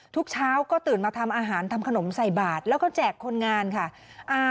ทุกเช้าก็ตื่นมาทำอาหารทำขนมใส่บาทแล้วก็แจกคนงานค่ะ